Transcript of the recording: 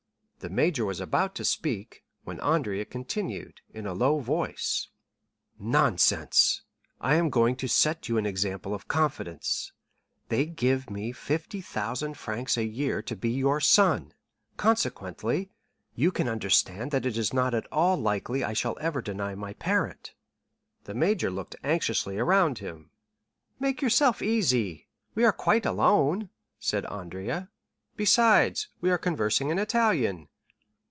The major was about to speak, when Andrea continued, in a low voice: "Nonsense, I am going to set you an example of confidence, they give me 50,000 francs a year to be your son; consequently, you can understand that it is not at all likely I shall ever deny my parent." The major looked anxiously around him. "Make yourself easy, we are quite alone," said Andrea; "besides, we are conversing in Italian."